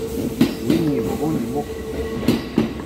Win yebɣun imuqel.